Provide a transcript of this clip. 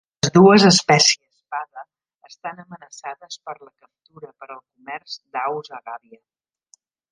Les dues espècies "padda" estan amenaçades per la captura per al comerç d'aus a gàbia.